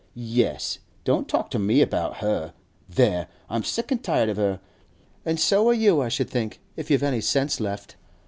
'Yes. Don't talk to me about her! There! I'm sick an tired of her—an' so are you, I should think, if you've any sense left.